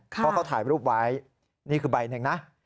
เพราะเขาถ่ายรูปไว้นี่คือใบหนึ่งนะ